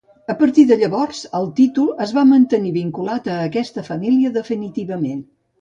A partir de llavors el títol es va mantenir vinculat a aquesta família definitivament.